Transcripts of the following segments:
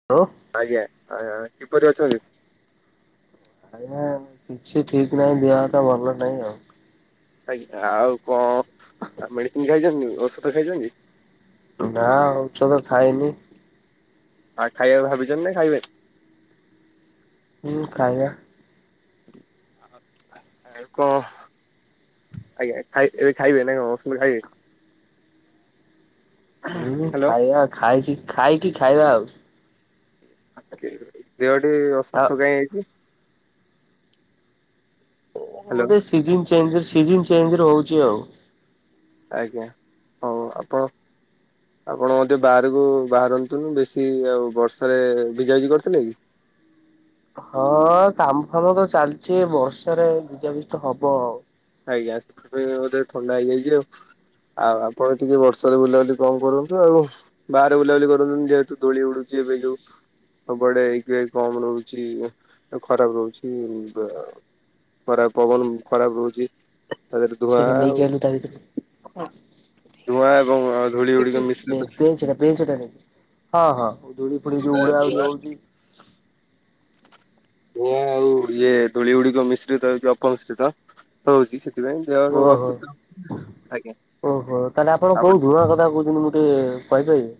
[inaudible] ଆଜ୍ଞା କିପରି ଅଛନ୍ତି? ଆଜ୍ଞା କିଛି ଠିକ ନାହିଁ ଦେହତ ଭଲ ନାହିଁ ଆଉ ଆଜ୍ଞା ଆଉ କଣ ମେଡିସିନ ଖାଇଛନ୍ତି ଔଷଧ ଖାଇଛନ୍ତି? ନା ଔଷଧ ଖାଇନି ଆଉ ଖାଇବା ଭାବିଛ ନା ଖାଇବେ? ହୁଁ ଖାଇବା। କଁ? ଆଜ୍ଞା ଖାଇ ଏବେ ଖାଇବେ ନା କଣ ଖାଇ ହୁଁ ହ୍ୟାଲୋ। ଖାଇବା ଖାଇକି ଖାଇକି ଖାଇବା ଆଉ ଆ ଦେହଟି ଅସୁସ୍ଥ କାହିଁ ହେଇଛି? ସେୟା ହ୍ୟାଲୋ ଗୋଟେ ସୁଯୋଗ ଚାହୁଁଛି ସୁଯୋଗ ଚାହିଁକି ରହୁଛି ଆଉ ଆଜ୍ଞା ହଉ ଆପଣ? ଆପଣ ମଧ୍ୟ ବାହାରକୁ ବାହାରନ୍ତୁନି ବେଶୀ ଆଉ ବର୍ଷାରେ ଭିଜା ଭିଜି କରିଥିଲେ କି? ହଁ କାମ ଫାମ ତ ଚାଲିଛି ବର୍ଷାରେ ଭିଜାଭିଜି ତ ହବ ଆଉ ଆଜ୍ଞା ସେଥି ପାଇଁ ବଧେ ଥଣ୍ଡା ହେଇଯାଇଛି ଆଉ ଆଉ ଆପଣ ଟିକେ ବର୍ଷାରେ ବୁଲାବୁଲି କମ କରନ୍ତୁ ଆଉ- ବାହାରେ ବୁଲାବୁଲି କରନ୍ତୁନି ଯେହେତୁ ଧୂଳି ଉଡୁଛି ଏବେ ଯୋଉ ସବ ବଡେ [inaudible] କମ ରହୁଛି ଖରାପ ରହୁଛି। ଖରାପ ପବନ ଖରାପ ରହୁଚି ତା ଦେହରେ ଧୂଆଁ ସେଇଟା ନେଇକି ଆଉ ଆଇଲୁ ତା ଭିତରୁ ଧୂଆଁ ଏବଂ ଧୂଳି ଗୁଡ଼ିକ ମିଶିଲେତ [unintelligible] ସେଠାରେ, ଧୁଳି ଫୁଡି ଯୋଉ ଉଡା ଉଡି ହଉଛି। ହ ଧୂଆଁ, ଆଉ ଇଏ, ଧୂଳି ଗୁଡିକ ମିଶ୍ରିତ ହେଇକି, ଅପମିଶ୍ରିତ ହଉଛି। ସେଥିପାଇଁ ଦେହ ସବୁ ଓହୋ! ଅସୁସ୍ଥ ଆଜ୍ଞା ଓହୋ! ତା, ହେଲେ ଆପଣ କୋଉ ଧୁଆଁ କଥା କହୁଛନ୍ତି? ମୁଁ ଟିକେ-ଏ କହିପାରିବେ?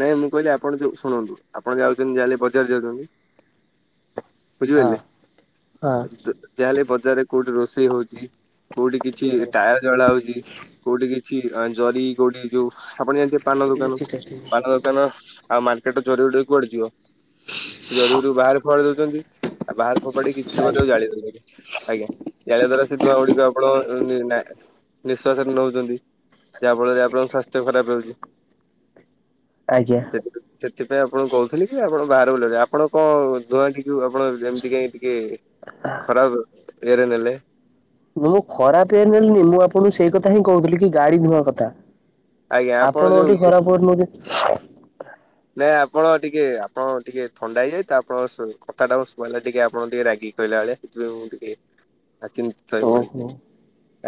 ନାଇଁ, ମୁଁ କହିଲି ଆପଣ ଯଉ, ଶୁଣନ୍ତୁ! ଆପଣ ଯାଉଛନ୍ତି ଯାହାଲେ ବଜାର ଯାଉଛନ୍ତି। ବୁଝିପାରଲେ! [unintelligible] ଯାହେଲେ, ବଜାରରେ କୋଉଠି ରୋଷେଇ ହଉଛି? କୋଉଠି କିଛି, ଟାୟାର ଜଳା ହଉଛି, କୋଉଠି କିଛି ଜରି, କୋଉଠି ଯୋଉ ଆପଣ ଜାଣିଥିଏ, ପାନ ଦୁକାନ, ହଁ ହଁ। ପାନ ଦୋକାନ ଆଉ, ମାର୍କେଟ ଜରିଉଡେ କୁଆଡେ ଯିବ? ଜରି ଗୁଡିକ ବାହାରେ ଫୋଆଡି ଦଉଛନ୍ତି। ଆଉ, ବାହାରେ ଫୋପାଡିିକି କିଛି ଲୋକ ତ ଆଜ୍ଞା ଜାଳି ଦଉଛନ୍ତି। ଆଜ୍ଞା। ଜାଳିବା ଦ୍ଵାରା ସେ ଧୁଆଁ ଗୁଡିକ ଆପଣ ନି-ନା-ନିଃଶ୍ଵାସରେ ନଉଛନ୍ତି। ଯାହା ଫଳରେ ଆପଣଙ୍କ ସ୍ୱାସ୍ଥ୍ୟ ଖରାପ ହେଉଛି। ଆଜ୍ଞା। ସେଥିପାଇଁ ଆପଣ କହୁଥିଲେ କି, ଆପଣ ବାହାର ବୁଲିଲେ, ଆପଣ କଣ ଧୂଆଁ ଟିକୁ ଆପଣ ଯେମିତି ଟିକେ ଖରାପ ଇଏରେ ନେଲେ। ମୁଁ, ଖରାପ ଇଏ ରେ ନେଲିନି। ମୁଁ ଆପଣଙ୍କୁ ସେଇ କଥା ହିଁ କହୁଥିଲି, କି ଗାଡି ଧୂଆଁ କଥା। ଆଜ୍ଞା ଆପଣ ଯୋଉ ଓଲଟି ଇଏ ଖରାପ ୱେରେ ନଉଚ ନାଇଁ ଆପଣ ଟିକେ ଆପଣ ଟିକେ ଥଣ୍ଡା ହେଇଯାଇତ! ତ ଆପଣ କଥାଟା ଶୁଣା ହେଲା ଟିକେ, ଆପଣ ଟିକେ ରାଗିକି କହିଲା ଭଳିଆ। ହେଥିପାଇଁ ମୁଁ ଟିକେ, ଆ ଚିନ୍ତିତ ହେଇପଡିଛି,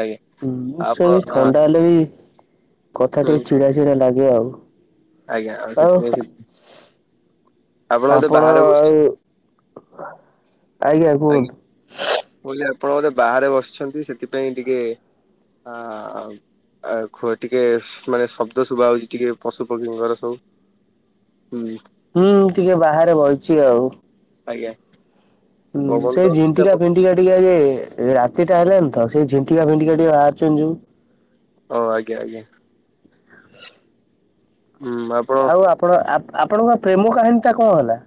ଆଜ୍ଞା। ମୁଁ ଆପଣ ସବୁ ହଁ ଥଣ୍ଡା ହେଲେ ବି, କଥା ହୁଁ ଟିକେ ଚିଡା ଚିଡା ଲାଗେ ଆଉ। ଆଜ୍ଞା, ଆଉ ସେଥିପାଇଁ ସେ ଆପଣ ବଧେ ବାହାରେ ବସିଛନ୍ତି! ଆଜ୍ଞା। କଇଲି, ଆପଣ ବୋଧେ ବାହାରେ ବସିଛନ୍ତି, ସେଥିପାଇଁ ଟିକେ ଆ ଆ ଖୁଆ ଟିକେ, ମାନେ ଶବ୍ଦ ଶୁଭା ହଉଛି, ଟିକେ ପଶୁପକ୍ଷୀଙ୍କର ସବୁ। ହୁଁ। ହୁଁ, ଟିକେ ବାହାରେ ବଇଛି ଆଉ। ଆଜ୍ଞା। ହୁଁ, ପବନ ସେଇ ଦଉଛି ଝିଣ୍ଟିକା ଆପଣ ଫିନ୍ ଟିଆ ଟିକେ ଏ ରାତିଟା ହେଲାଣିି ତ, ସେଇ ଝଣ୍ଟିକା ଫିଣ୍ଟିକା ଟିକେ ବାହାରୁଛନ୍ତି, ଯୋଉ ଓ ଆଜ୍ଞା ଆଜ୍ଞା। ହୁଁ ଆପ୍ ଆଉ, ଆପଣ ଆପଣଙ୍କ ପ୍ରେମ କାହାଣୀ ଟା କଣ ହେଲା?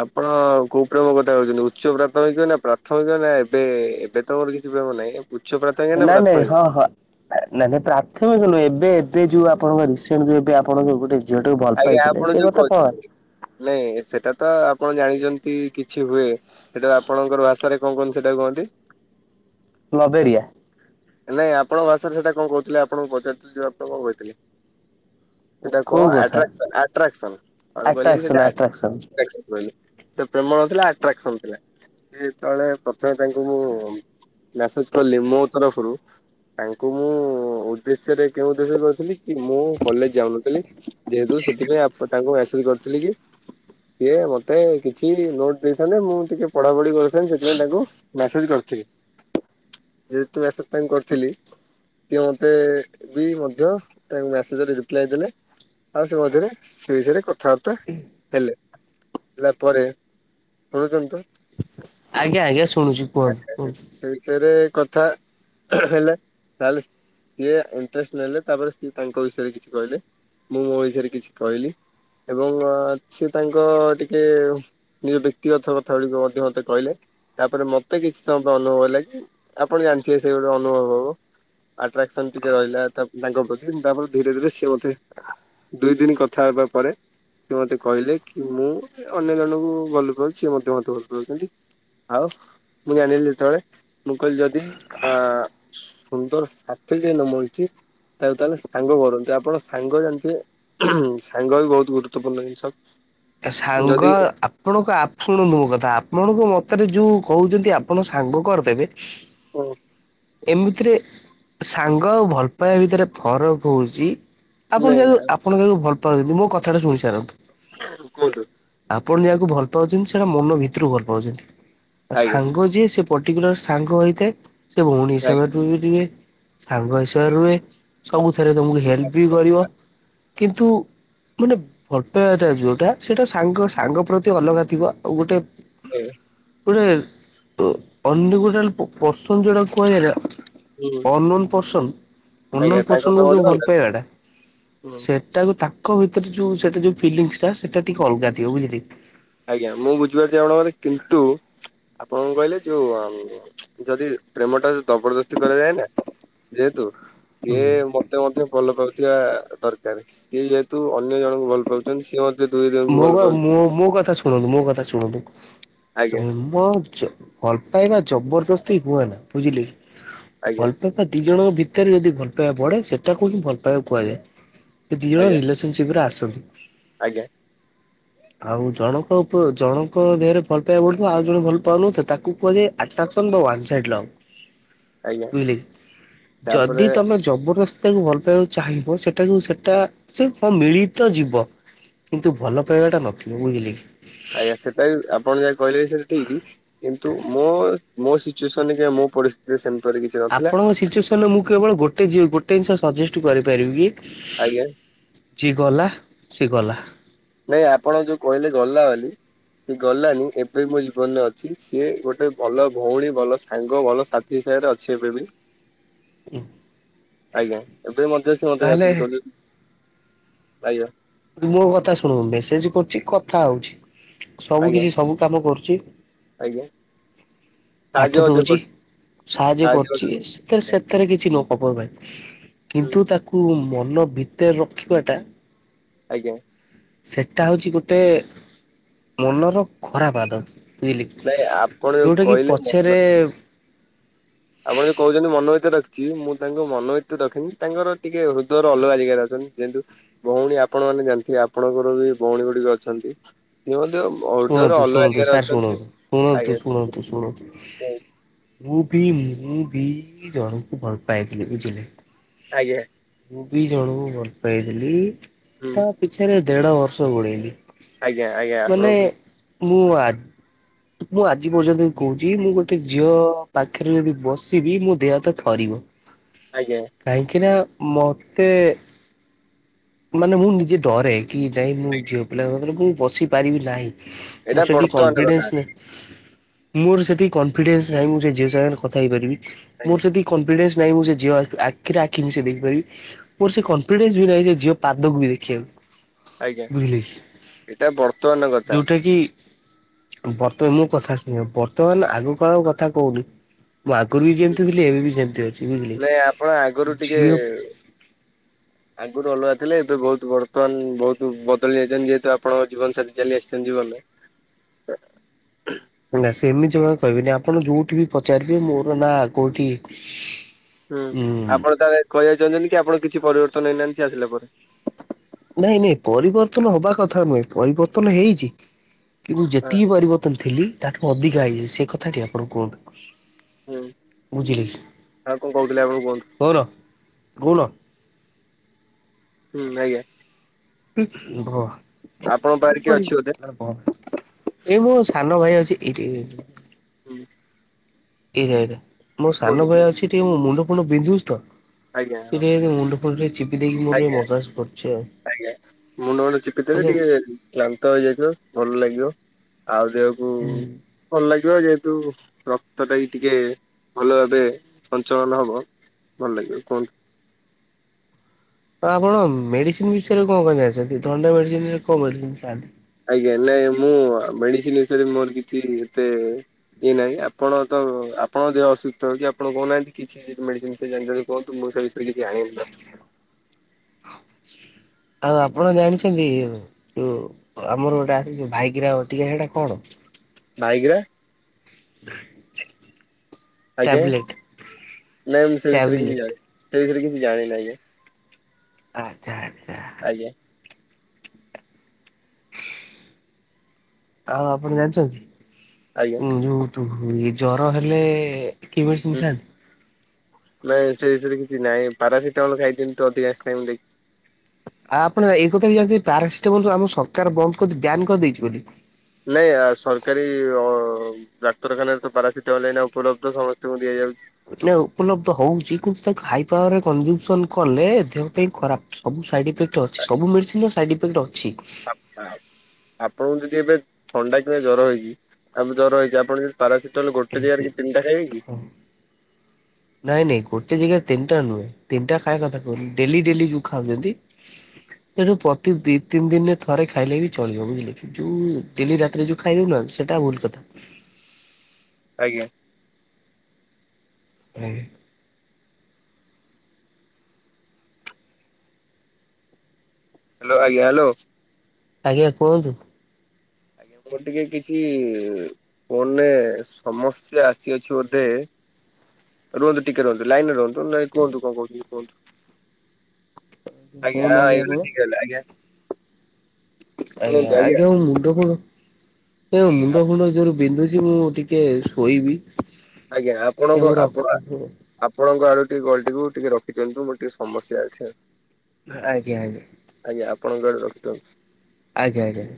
ଆପଣ କୋଉ ପ୍ରେମ କଥା କଉଛନ୍ତି, ଉଚ୍ଚ ପ୍ରାଥମିକ ନା ପ୍ରାଥମିକ ନା, ଏବେ -ଏ? ଏବେ ତ ମୋର କିଛି ପ୍ରେମ ନାହିଁ। ଉଚ୍ଚ ପ୍ରାଥମିକ ନା ପ୍ରାଥମିକ! ନାଇ ନାଇଁ ପ୍ରାଥମିକ ନୁହେଁ, ଏବେ ଏବେ ଯୋଉ ଆପଣଙ୍କ ରିସେଣ୍ଟ ଯୋଉ, ଏବେ ଆପଣ ଯୋଉ ଗୋଟେ ଝିଟାକୁ ଭଲ ଆଜ୍ଞା ଆପଣ ପାଇଥିଲେ, ସେଇ ଯୋଉ କଥା କଣ ହେଲା? କହୁଥିଲେ ନାଇଁ, ସେଟା ତ ଆପଣ ଜାଣିଛନ୍ତି କିଛି ହୁଏ। ସେଇଟାକୁ ଆପଣଙ୍କର ଭାଷାରେ କଣ କୁହନ୍ତି, ସେଟା କୁହନ୍ତି? ଲବେରିଆ। ନାଇଁ, ଆପଣ ଭାଷାରେ ସେଇଟା କଣ କହୁଥିଲେ? ଆପଣଙ୍କୁ, ପଚାରୁଥିଲି ଯଉ ଆପଣ କଣ କହିଥିଲେ? ସେଟା କଣ କୋଉ କଥା ଆଟ୍ରାକ୍ସନ! ଆଟ୍ରାକ୍ସନ! କଣ କହିଲେ କି ଆଟ୍ରାକ୍ସନ ସେଇଟା ଆଟ୍ରାକ୍ସନ। ଆଟ୍ ରାକ୍ସନ। ବଇଲି ପ୍ରେମ ନଥିଲା। ଆଟ୍ରାକ୍ସନ ଥିଲା, ଏତଳେ ପ୍ରଥମେ ତାଙ୍କୁ ମୁଁ, ମ୍ୟାସେଜ୍ କଲି ମୋ ତରଫରୁ। ତାଙ୍କୁ ମୁଁ ଉଦ୍ଦେଶ୍ୟରେ, କେଉଁ ଉଦ୍ଦେଶ୍ୟରେ କହିଥିଲି? କି ମୁଁ କଲେଜ ଯାଉନଥିଲି। ଯେହେତୁ ସେଥିପାଇଁ ଆପ୍ ତାଙ୍କୁ ମେସେଜ କରିଥିଲି କି ସିଏ ମତେ କିଛି ନୋଟ୍ ଦେଇଥାନ୍ତେ, ମୁଁ ଟିକେ ପଢାପଢି କରିଥାନ୍ତେ। ସେଥିପାଇଁ ତାଙ୍କୁ ମ୍ୟାସେଜ୍ କରିଥିଲି। ଯେହେତୁ ମ୍ୟାସେ ତାଙ୍କୁ କରିଥିଲି ସିଏ ମୋତେ ବି ମଧ୍ୟ, ତାଙ୍କ ମ୍ୟାସେଜରେ ରିପ୍ଲାଏ ଦେଲେ। ଆଉ, ସେ ମଝିରେ ସେ ବିଷୟରେ କଥାବାର୍ତ୍ତା ହେଲେ। ହେଲା ପରେ ଶୁଣୁଛନ୍ତି ତ। ଆଜ୍ଞା ଆଜ୍ଞା ଶୁଣୁଛି କୁହନ୍ତୁ କୁହନ୍ତୁ। ସେ ବିଷୟରେ କଥା ହେଲେ କାଲି ସିଏ ଇଣ୍ଟରେଷ୍ଟ ନେଲେ ତାପରେ ସିଏ ତାଙ୍କ ବିଷୟରେ କିଛି କହିଲେ ମୁଁ ମୋ ବିଷୟରେ କିଛି କହିଲି। ଏବଂ ସିଏ ତାଙ୍କ ଟିକେ ନିଜ ବ୍ୟକ୍ତିଗତ କଥା ଗୁଡିକ ମଧ୍ୟ ମତେ କହିଲେ। ତାପରେ ମତେ କିଛି ସମୟ ଅନୁଭବ ହେଲା କି ଆପଣ ଜାଣିଥିବେ ସେ ଗୋଟେ ଅନୁଭବ ହବ। ଆଟ୍ରାକ୍ସନ୍ ଟିକେ ରହିଲା ତା ତାଙ୍କ ପ୍ରତି ତାପରେ ଧୀରେ ଧୀରେ ସିଏ ମୋତେ ଦୁଇ ଦିନ କଥା ହେବା ପରେ ସିଏ ମତେ କହିଲେ କି ମୁଁ ଅନ୍ୟ ଜଣଙ୍କୁ ଭଲ ପାଉଛି ସିଏ ମଧ୍ୟ ମତେ ଭଲ ପାଉଛନ୍ତି। ଆଉ ମୁଁ ଜାଣିଲି ଯେତେବେଳେ ମୁଁ କହିଲି ଯଦି ଅ ସୁନ୍ଦର ସାଥି ଯେ ନ ମିଳୁଛି ତାଲେ ତାହେଲେ ସାଙ୍ଗ କରନନ୍ତୁ ଆପଣ ସାଙ୍ଗ ଯେମିତି ସାଙ୍ଗ ବି ବହୁତ ଗୁରୁତ୍ୱପୂର୍ଣ୍ଣ ଜିନିଷ। ଯଦି ସାଙ୍ଗ ଆପଣଙ୍କ ଶୁଣନ୍ତୁ ମୋ କଥା ଆପଣଙ୍କ ମତରେ ଯୋଉ କହୁଛନ୍ତି ଆପଣ ସାଙ୍ଗ କରିଦେବେ ହଁ। ଏମିତିରେ ସାଙ୍ଗ ଆଉ ଭଲ ପାଇବା ଭିତରେ ଫରକ ହଉଛି। ଆପଣ ଯ ନାଇଁ ଆପଣ ଯାହାକୁ ଭଲ ପାଉଛନ୍ତି ମୋ କଥାଟା ଶୁଣି ସାରନ୍ତୁ। ହଉ କୁହନ୍ତୁ। ଆପଣ ଯାହାକୁ ଭଲ ପାଉଛନ୍ତି ସେଇଟା ମନ ଭିତରୁକୁ ଭଲ ପାଉଛନ୍ତି ଆଉ ଆଜ୍ଞା ସାଙ୍ଗ ଯିଏ ସେ ପର୍ଟିକୁଲାର ସାଙ୍ଗ ହେଇଥାଏ ସେ ଭଉଣୀ ହିସାବରେ ରୁହେ ସାଙ୍ଗ ହିସାବରେ ରୁହେ। ସବୁଥିରେ ତମକୁ ହେଲ୍ପ ବି କରିବ। କିନ୍ତୁ ମାନେ ଫଟୋଟା ଯୋଉଟା ସେଇଟା ସାଙ୍ଗ ସାଙ୍ଗ ପ୍ରତି ଅଲଗା ଥିବ ଆଉ ଗୋଟେ ହ। ଗୋଟେ ଅନ୍ୟ ଗୋଟେ ପର୍ସନ୍ଦ ଯୋଉଟା କୁହାଯାଲା ହୁଁ। ଅନ୍ନୋନ୍ ପର୍ସନ ଆଜ୍ଞା ଅନ୍ନୋନ୍ ତାଙ୍କ ପାଇଁ ପର୍ସନକୁ ମଧ୍ୟ ଯୋଉ ଭଲ ଅଲଗା ପାଇବାଟା ହୁଁ ସେ ତା ତାଙ୍କ ଭିତରେ ଯୋଉ ସେଟା ଯୋଉ ଫିଲିଂସ୍ ଟା ସେଇଟା ଟିକେ ଅଲଗା ଥିବ ବୁଝିଲି। ଆଜ୍ଞା ମୁଁ ବୁଝିପାରୁଛି ଆପଣଙ୍କ କିନ୍ତୁ ଆପଣ କହିଲେ ଯୋଉଁ ଯଦି ପ୍ରେମଟା ଜବରଦସ୍ତି କରାଯାଏ ନା ଯେହେତୁ ହୁଁ। ସିଏ ତ ମଧ୍ୟ ଭଲ ପାଉଥିବା ଦରକାର ସିଏ ଯେହେତୁ ଅନ୍ୟ ଜଣଙ୍କୁ ଭଲ ପାଉଛନ୍ତି ସି ମୋ ମୋ କଥା ଶୁଣନ୍ତୁ ମୋ କଥା ଶୁଣନ୍ତୁ। ଆଜ୍ଞା [unintelligible] ଭଲ ପାଇବା ଜବରଦସ୍ତି ହୁଏ ନା ବୁଝିଲେ କି ଆଜ୍ଞା ଭଲପା ଦି ଜଣଙ୍କ ଭିତରେ ଯଦି ଭଲ ପାଇବା ବଢେ ସେଟାକୁ ହିଁ ଭଲ ପାଇବା କୁହାଯାଏ ଦି ଜଣ ଆଜ୍ଞା ରିଲେ ସନ୍ ଶିବ୍ରେ ଆସନ୍ତି। ଆଜ୍ଞା। ଆଉ ଜଣଙ୍କ ଉପ ଜଣଙ୍କ ଦେହରେ ଭଲ ପାଇବାକୁ ପଡୁଥିବ ଆଉ ଜଣେ ଭଲ ପାଉନଥିବ ତାକୁ କୁହାଯାଏ ଆଟରାକ୍ସନ୍ ବା ୱାନ ସାଇଡ ଲଭ୍। ହଁ ବୁଝିଲି ଯଦି ତମେ ଜବରଦସ୍ତିତାକୁ ଭଲ ପାଇବାକୁ ଚାହିଁବ ସେଟାକୁ ସେଟା ସେ ହ ମିଳିତ ଯିବ। କିନ୍ତୁ ଭଲ ପାଇବାଟା ନଥିଲେ ବୁଝିଲି କି। ଆଜ୍ଞା ସେଟା ଆପଣ ଯାହା କହିଲେ ସେଟା ଠିକ। କିନ୍ତୁ ମୋ ମୋ ସିଚୁଏସନରେ ମୋ ପରିଥି ସେମତି କିଛି ନଥିଲା ଆପଣଙ୍କ ସିଚୁଏସନରେ ମୁଁ କେବଳ ଗୋଟେ ଗୋଟେ ଜିନିଷ ସଜେଷ୍ଟ କରିପାରିବି କି ଆଜ୍ଞା। ଯିଏ ଗଲା ସି ଗଲା। ନାଇଁ ଆପଣ ଯୋଉ କହିଲେ ଗଲା ବାଲି ସେ ଗଲାନି ଏବେ ମୋ ଜୀବନରେ ଅଛି ସିଏ ଗୋଟେ ଭଲ ଭଉଣୀ ଭଲ ସାଙ୍ଗ ଭଲ ସା ଥି ହିସାବରେ ଅଛି ଏବେ ବି। ଓ ଆଜ୍ଞା ଏବେ ମଧ୍ୟ ସେ ମତେ ତାହେଲେ ଆସଛି କହୁଛ ଆଜ୍ଞା ମୋ କଥା ଶୁଣନ୍ତୁ ମେସେଜେ କରୁଛି କଥା ହଉଛି ସବୁ ଆଜ୍ଞା କିଛି ସବୁ କାମ କରୁଛି। ଆଜ୍ଞା ସାହାଯ୍ୟ ପାଠ ମଧ୍ୟ ଦଉଛି କରୁଛି। ସାହାଯ୍ୟ କରୁଛି। ତେ ସେଥିରେ କିଛି ନପପ ଭାଇ ହୁଁ କିନ୍ତୁ ତାକୁ ମନ ଭିତରେ ରଖିବାଟା ଆଜ୍ଞା। ସେଟା ହୋଉଛି ଗୋଟେ ମନର ଖରାପ ଆଦତ୍। ଲିଲିକ୍ ନାଇଁ ଆପଣ ଯୋଉ ଯୋଉଟା କି କହିଲେ ମନ ପଛରେ ଆପଣ ଯୋଉ କହୁଛନ୍ତି ମନୋ ଭିତରେ ରଖିଛି ମୁଁ ତାଙ୍କୁ ମନୋ ଭିତେ ରଖିନି ତାଙ୍କର ଟିକେ ହୃଦୟର ଅଲଗା ଜାଗାରେ ଅଛନ୍ତି ଯେନ୍ତୁ ଭଉଣୀ ଆପଣ ମାନେ ଜାଣିଥିବେ ଆପଣଙ୍କର ବି ଭଉଣୀ ଗୁଡ଼ିକ ଅଛନ୍ତି। [unintelligible] ଶୁଣନ୍ତୁ ଅଲଗା ଶୁଣନ୍ତୁ ଜାଗାରେ ସାର୍ ଅଛନ୍ତି ଶୁଣନ୍ତୁ ଶୁଣନ୍ତୁ ଆଜ୍ଞା ଶୁଣନ୍ତୁ ଶୁଣନ୍ତୁ ହୁଁ, ମୁଁ ବି ମୁଁ ବି ଜଣକୁ ଭଲ ପାଇଥିଲି ବୁଝିଲେ? ଆଜ୍ଞା। ମୁଁ ବି ଜଣଙ୍କୁ ଭଲ ପାଇଥିଲି ହୁଁ ତା ପିଛରେ ଦେଢ଼ ବର୍ଷ ଗୋଡ଼େଇଲିି। ଆଜ୍ଞା ଆଜ୍ଞା ଆପଣନ୍ତୁ ମୁଁ ଆ ହଁ ମୁଁ ଆଜି ପର୍ଯ୍ୟନ୍ତ ଇ କହୁଛି ମୁଁ ଗୋଟେ ଝିଅ ପାଖରେ ଯଦି ବସିବି ମୋ ଦେହ ହାତ ଥରିବ। ଆଜ୍ଞା। କାହିଁକିନା ମୋତେ ମାନେ ମୁଁ ନିଜେ ଡ଼ରେ କି ନାଇଁ ମୁ ଝିଅ ପିଲାଙ୍କ ଖରେ ମୁଁ ବସି ପାରିବି ନାହିଁ। ମୁଁ ଏଇଟା ସେଠି ବର୍ତ୍ତମାନ କଥା କନଫିଡେନ୍ସ ନା ମୋର ସେତିକି କନଫିଡେନ୍ସ ନାହିଁ ମୁଁ ସେ ଝିଅ ସାଙ୍ଗରେ କଥା ହେଇପାରିବି ମୋର ଆଜ୍ଞା ସେତି କଂଫିଡେନ୍ସ ନାହିଁ ମୁଁ ସେ ଝିଅ ଆ ଆଖିରେ ଆଖି ମିଶେଇ ଦେଇପାରିବି ମୋର ସେ କଂଫିଡେନ୍ସ ବି ନାହିଁ ସେ ଝି ପାଦକୁ ବି ଦେଖିବାକୁ। ଆଜ୍ଞା ବୁଝିଲେ କି ଏଇଟା ବର୍ତ୍ତମାନ କଥା ଯୋଉଟା କି ବର୍ତ୍ତମାନ ମୁଁ କଥା ଶୁଣ ବର୍ତ୍ତମାନ ଆଗକାଳର କଥା କହୁନି। ମୁଁ ଆଗରୁ ବି ଯେମତି ଥିଲି ଏବେ ବି ସେମତି ଅଛି ବୁଝିଲେ ନାଇଁ ଆପଣ ଆଗରୁ ଟିକେ ଝିଅ ଆଗରୁ ଅଲଗା ଥିଲେ ଏବେ ବୋହୁତ ବର୍ତ୍ତମାନ ବୋହୁତ ବଦଳି ଯାଇଛନ୍ତି ଯେହେତୁ ଆପଣଙ୍କ ଜୀବନ ସାଥି ଚାଲି ଆସିଛନ୍ ଜୀବନରେ। ନା ସେମିତି ଜମା ବି କହିବେନି ଆପଣ ଯୋଉଠି ବି ପଚାରିବେ ମୋର ନା କୋଉଠି ହୁଁ ଉଁ ଆପଣ ତାହେଲେ କହିବାକୁ ଚାହୁଛନ୍ତି କି ଆପଣ କିଛି ପରିବର୍ତ୍ତନ ହେଇନାହାନ୍ତି ସିଏ ଆସିଲା ପରେ। ନାଇଁ ନାଇଁ ପରିବର୍ତ୍ତନ ହବା କଥା ନୁହେଁ ପରିବର୍ତ୍ତନ ହେଇଚି। କିନ୍ତୁ ହଁ ଯେତିକି ପରିବର୍ତ୍ତନ ଥିଲି ତାଠୁ ଅଧିକା ହେଇଯାଇ ସେ କଥାଟି ଆପଣ କୁହନ୍ତୁ। ହୁଁ ବୁଝିଲେ କି ଆଉ କଣ କହୁଥିଲେ ଆପଣ କୁହନ୍ତୁ? [unintelligible] ହୁଁ ଆଜ୍ଞା। [unintelligible] ଆପଣଙ୍କ ପାଖରେ କିଏ ହଁ ଅଛି ବୋଧେ? ଏଇ ମୋ ସାନ ଭାଇ ଅଛି ଏଇଠି। ହୁଁ। ଏଇଟା ଏଇଟା ମୋ ସାନ ଭାଇ କୁହନ୍ତୁ ଅଛି ଟିକେ ମୋ ମୁଣ୍ଡ ଫୁଣ୍ଡ ବିନ୍ଧୁଛି ତ ଆଜ୍ଞା ହଁ [unintelligible] ମୁଣ୍ଡ ଆ ଟିକେ ଚିପି ଦେଇକି ମୋର ଟିକେ ଆଜ୍ଞା ମସାଜ କରୁଛି ଆଜ୍ଞା। ଆଉ କ୍ଲାନ୍ତ ହେଇଯାଇଥ ଭଲ ଲାଗିବ। ଆଉ ଦେହକୁ ହୁଁ ଭଲ ଲାଗିବ ଯେହେତୁ ର ତଟା ବି ଟିକେ ଭଲ ଭାବେ ସଞ୍ଚାଳନ ହବ ଭଲ ଲାଗିବ କୁହନ୍ ଆପଣ ମେଡ଼ିସିନ ବିଷୟରେ କଁ ପାଇ ଜଛନ୍ତି ଥଣ୍ଡା ମେଡ଼ିସିନିରେ କଣ ମେଡ଼ିସିନ ଖାଆନ୍ତି? ଆଜ୍ଞା ନାଇଁ ମୁଁ ମେଡ଼ିସିନ ବିଷୟରେ ମୋର କିଛି ଏତେ ଏଇ ନାଇଁ ଆପଣ ତ ଆପଣ ଦେହ ଅସୁସ୍ଥ ହଉଚି ଆପଣ କହୁନାହାନ୍ତି କିଛି ଠିକ୍ ମେଡ଼ିସିନ ବିଷୟରେ ଜାଣିଛନ୍ତି କି କୁହନ୍ତୁ ମୋ ସ୍ତ୍ରୀ କୁ ଆଣିବି ତ ଆଉ ଆପଣ ଜାଣିଛନ୍ତି ଯୋଉ ଆମର ଗୋଟେ ଆସିଛି ଯୋଉ ଭାଇଗିରା ବଟିକା ସେଇଟା କଣ? ଭାଇଗିରା ହ ଆଜ୍ଞା ନାଇଁ ମୁଁ ସେ ବିଷୟରେ କିଛି ଟ୍ୟାବଲେଟ ଜାଣିନି ସେ ବିଷୟରେ କିଛି ଜାଣିନି ଆଜ୍ଞା। ଆଚ୍ଛା ଆଚ୍ଛା। ଆଜ୍ଞା ଆଉ ଆପଣ ଜାଣିଛନ୍ତି ଆଜ୍ଞା। ଉଁ ଯୋଉ ତୁ ଜର ହେଲେ କି ହୁଁ। ମେଡ଼ିସିନ୍ ଖାଆନ୍ତି? ନାଇଁ ସେ ବିଷୟରେ କିଛି ନାହିଁ ପାରାସିଟାମଲ ଖାଇ ଦିଅନ୍ତୁ ଅଧିକଂଶ ଟାଇମ ଦେଖ ଆଉ ଆପଣ ଏଇ କଥା ବି ଜାଣିଥିବେ ପାରାସିଟାମଲ ଆମ ସରକାର ବନ୍ଦ କରି ବ୍ୟାନ୍ କରିଦେଇଛି ବୋଲି? ନାଇଁ ସରକାରୀ ଅ ଡକ୍ତରଖାନାରେ ତ ପାରାସିଟାଲ ଏନା ଉପଲବ୍ଧ ସମସ୍ତଙ୍କୁ ଦିଆଯାଉଛି। ନାଇ ଉପଲବ୍ଧ ହଉଛି କିନ୍ତୁ ତାକୁ ହାଇ ପାୱାରରେ କନଜୁସନ କଲେ ଦେହ ପାଇଁ ଖରାପ। ସବୁ ସାଇଡ ଇଫେକ୍ଟ ଅଛି ସବୁ ମେଡିସିନ ର ସାଇଡ୍ ଇଫେକ୍ଟ ଅଛି। [unintelligible] ଆପଣଙ୍କୁ ଯଦି ଏବେ ଥଣ୍ଡା କିମ୍ବା ଜର ହେଇଛି ଆମ ଜର ହେଇଛି ଆପଣ [unintelligible] ପାରାସିଟଲ ଗୋଟେ ଏମତି ଯାଗାରେ କି ତିନିଟା ଖାଇବେକି? ହଁ ନାଇଁ ନାଇଁ ଗୋଟେ ଜାଗା ତିନଟା ନୁହେଁ ତିନିଟା ଖାଇବା କଥା କହୁନି ଡେଲି ଡେଲି ଯୋଉ ଖାଉଛନ୍ତି ସେଇଠୁ ପ୍ରତି ଦି ତିନି ଦିନରେ ଥରେ ଖାଇଲେ ବି ଚଳିବ ବୁଝିଲେ। ଯୋଉ ଡେଲି ରାତିରେ ଯୋଉ ଖାଇ ଦଉ ନାହାନ୍ତି ସେଟା ଭୁଲ କଥା। ଆଜ୍ଞା। ଆଜ୍ଞା। ହ୍ୟାଲୋ ଆଜ୍ଞା ହ୍ୟାଲୋ। ଆଜ୍ଞା କୁହନ୍ତୁ। ଆଜ୍ଞା ମୋର ଟିକେ କିଛି ଫୋନରେ ସମସ୍ୟା ଆସିଅଛି ବୋଧେ ରୁହନ୍ତୁ ଟିକେ ରୁହନ୍ତୁ ଲାଇନରେ ରୁହନ୍ତୁ ନାଇଁ କୁହନ୍ତୁ କଣ କହୁଛନ୍ତି କୁହନ୍ତୁ। ଆଜ୍ଞା ହଁ କହୁନାହାନ୍ତି ଆପଣ [unintelligible] ଆଜ୍ଞା। ଆଜ୍ଞା ଆଜ୍ଞା ମୋ ମୁଣ୍ଡ ଫୁଣ୍ଡ ଏରା ଆଜ୍ଞା ମୁଣ୍ଡ ଫୁଣ୍ଡ ଯୋଉ ବିନ୍ଧୁଛି ମୁଁ ଟିକେ ଶୋଇବି। ଆଜ୍ଞା ଏ ଆପଣଙ୍କ ମୁଁ ଆପ ଆ ରଖୁଛି ଆପଣଙ୍କ ଆଡୁ ଟିକେ କଲଟିକୁ ଟିକେ ରଖିଦିଅନ୍ତୁ ମୋର ଟିକେ ସମସ୍ୟା ଅଛି। ଆଜ୍ଞା ଆଜ୍ଞା। ଆଜ୍ଞା ଆପଣଙ୍କ ଆଡୁ ରଖି ଦିଅନ୍ତୁ। ଆଜ୍ଞା ଆଜ୍ଞା।